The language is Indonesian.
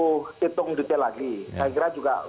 hitung detail lagi saya kira juga